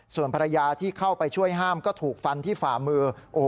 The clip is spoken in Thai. ส่วนภรรยาที่เข้าไปช่วยห้ามก็ถูกฟันที่ฝ่ามือ